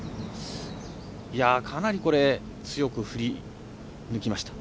かなり強く振り抜きました。